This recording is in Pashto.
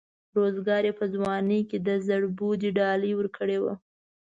روزګار یې په ځوانۍ کې د زړبودۍ ډالۍ ورکړې وه.